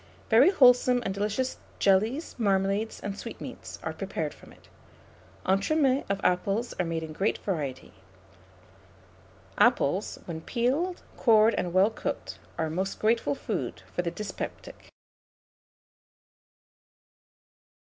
Very wholesome and delicious jellies, marmalades, and sweetmeats are prepared from it. Entremets of apples are made in great variety. Apples, when peeled, cored, and well cooked, are a most grateful food for the dyspeptic.